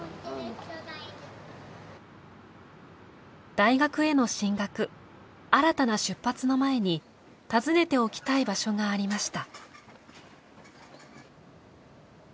大学への進学新たな出発の前に訪ねておきたい場所がありました。